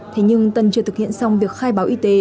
thế nhưng tân chưa thực hiện xong việc khai báo y tế